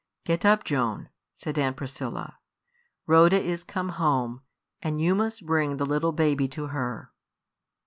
"Get up, Joan," said Aunt Priscilla. "Rhoda is come home, and you must bring the little baby to her."